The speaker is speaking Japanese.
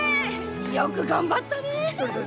よく頑張ったねえ！